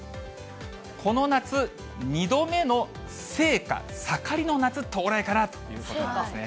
この夏２度目の盛夏、盛りの夏、到来かなということなんですね。